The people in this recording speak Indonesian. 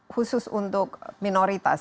khusus untuk minoritas